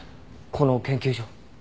この研究所。